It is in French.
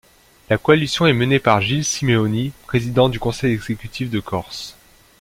La coalition est menée par Gilles Simeoni, président du conseil exécutif de Corse.